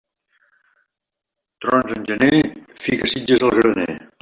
Trons en gener, fica sitges al graner.